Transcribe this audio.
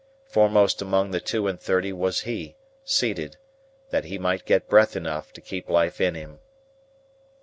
Foremost among the two and thirty was he; seated, that he might get breath enough to keep life in him.